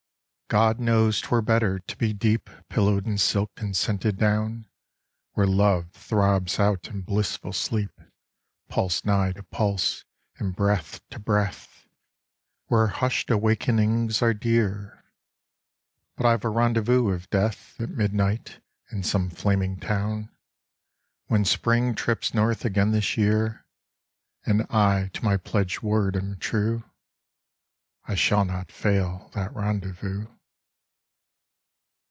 God knows 'twere better to be deep Pillowed in silk and scented down, Where Love throbs out in blissful sleep, Pulse nigh to pulse, and breath to breath, Where hushed awakenings are dear ... But I've a rendezvous with Death At midnight in some flaming town, When Spring trips north again this year, And I to my pledged word am true, I shall not fail that rendezvous.